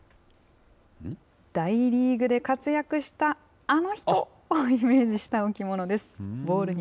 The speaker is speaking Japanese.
大リーグで活躍したあの人をイメージした置物です。